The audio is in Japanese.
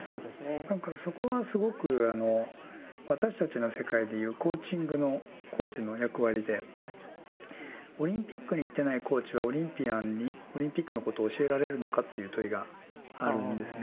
何かそこはすごく私たちの世界でいうコーチングのコーチの役割でオリンピックに行ってないコーチはオリンピアンにオリンピックのことを教えられるのかという問いがあるんですね。